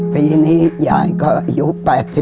ปีนี้ยายก็อายุ๘๐